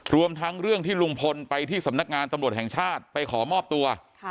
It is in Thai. รวมทั้งเรื่องที่ลุงพลไปที่สำนักงานตำรวจแห่งชาติไปขอมอบตัว